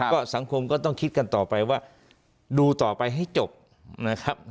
ก็สังคมก็ต้องคิดกันต่อไปว่าดูต่อไปให้จบนะครับ